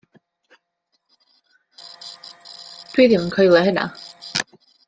Dw i ddim yn coelio hynna.